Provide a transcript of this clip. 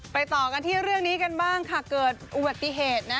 ต่อกันที่เรื่องนี้กันบ้างค่ะเกิดอุบัติเหตุนะ